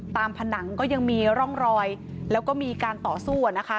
ผนังก็ยังมีร่องรอยแล้วก็มีการต่อสู้อะนะคะ